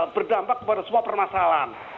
berdampak kepada semua permasalahan